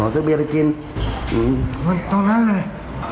อ๋อซื้อเบียร์ไปกินอืมตอนนั้นเลย